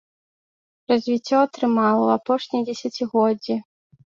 Развіццё атрымала ў апошнія дзесяцігоддзі.